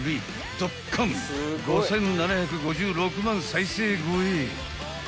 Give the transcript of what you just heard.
［どっかん５，７５６万再生超え］